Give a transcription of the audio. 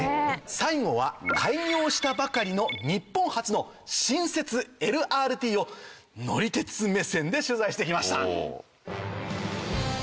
最後は開業したばかりの日本初の新設ＬＲＴを乗り鉄目線で取材してきました。